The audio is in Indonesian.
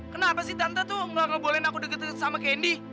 kenapa sih tante tuh gak ngebohongin aku deket deket sama candy